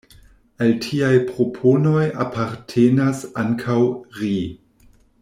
Al tiaj proponoj apartenas ankaŭ "ri".